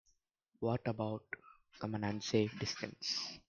What about from an unsafe distance?